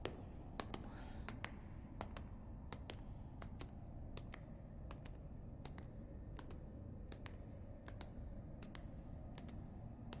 あっ。